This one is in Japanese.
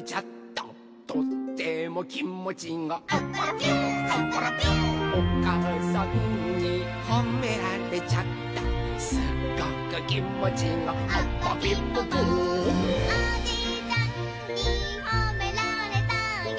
「とってもきもちが」「アッパラピューアッパラピュー」「おかあさんにほめられちゃった」「すごくきもちが」「アパピポポー」「おじいちゃんにほめられたよ」